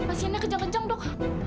masinnya kejang kejang dok